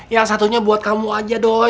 yang satunya buat kamu aja dong